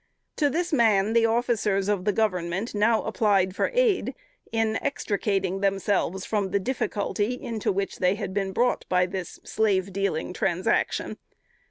To this man the officers of Government now applied for aid, in extricating themselves from the difficulty into which they had been brought by this slave dealing transaction.